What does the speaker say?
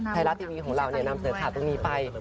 ไทยรัฐทีวีของเราแนะนำเสร็จค่ะ